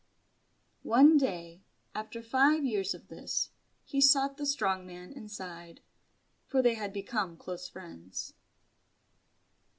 One day, after five years of this, he sought the Strong Man, and sighed. For they had become close friends.